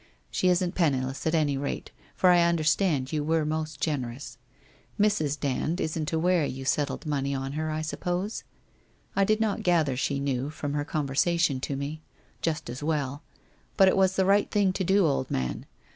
She isn't penniless, at any rate, for I understand you were most generous. Mrs. Dand isn't aware you settled money on her, I suppose? I did not gather she knew, from her conversation to me. Just as well. But it was the right thing to do, old man.